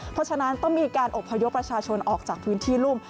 เพราะฉะนั้นต้องมีการอบพยพประชาชนออกจากพื้นที่รุ่ม